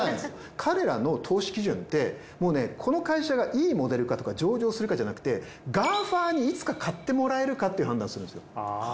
彼らの投資基準ってこの会社がいいモデルかとか上場するかじゃなくてＧＡＦＡにいつか買ってもらえるかっていう判断するんですよ。